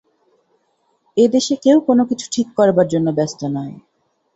এ দেশে কেউ কোনো কিছু ঠিক করবার জন্যে ব্যস্ত নয়।